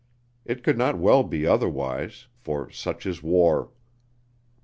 It could not well be otherwise, for such is war.